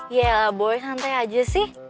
yaelah boy santai aja sih